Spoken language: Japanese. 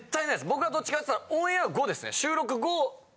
僕はどっちかって言ったらオンエア後ですね。